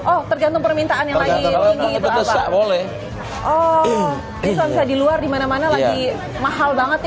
oh tergantung permintaan yang lagi lanjut boleh oh bisa di luar di mana mana lagi mahal banget